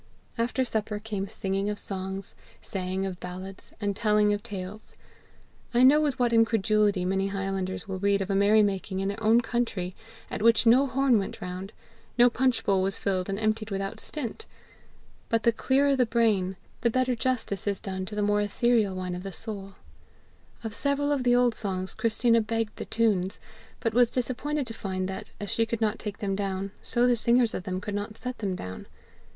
After supper came singing of songs, saying of ballads, and telling of tales. I know with what incredulity many highlanders will read of a merry making in their own country at which no horn went round, no punch bowl was filled and emptied without stint! But the clearer the brain, the better justice is done to the more etherial wine of the soul. Of several of the old songs Christina begged the tunes, but was disappointed to find that, as she could not take them down, so the singers of them could not set them down.